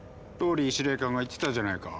ＲＯＬＬＹ司令官が言ってたじゃないか。